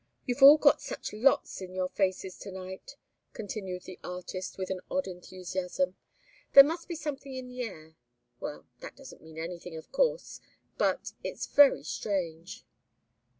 "You've all got such lots in your faces to night," continued the artist, with an odd enthusiasm. "There must be something in the air well, that doesn't mean anything, of course but it's very strange."